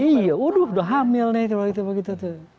iya udah hamil nih kalau gitu begitu tuh